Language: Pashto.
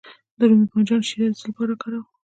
د رومي بانجان شیره د څه لپاره وکاروم؟